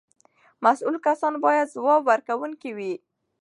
مسؤل کسان باید ځواب ورکوونکي وي.